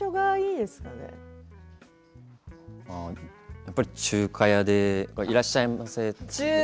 やっぱり中華屋でいらっしゃいませと。